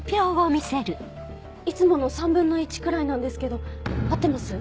いつもの３分の１くらいなんですけど合ってます？